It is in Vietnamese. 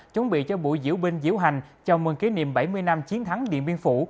chuẩn bị cho buổi diễu binh diễu hành chào mừng kỷ niệm bảy mươi năm chiến thắng điện biên phủ